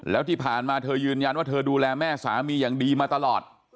แล้วที่ผ่านมาเธอยืนยันว่าเธอดูแลแม่สามีอย่างดีมาตลอด